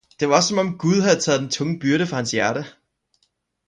Det var også, som Gud havde taget den tunge byrde fra hans hjerte.